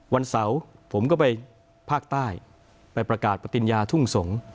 วันเสาร์ผมก็ไปภาคใต้ไปประกาศปฏิญญาทุ่งสงศ์